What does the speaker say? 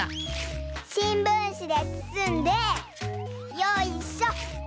しんぶんしでつつんでよいしょよいしょ！